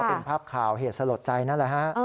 เป็นภาพข่าวเหตุสลดใจนั่นแหละฮะ